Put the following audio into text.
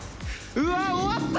うわ終わった！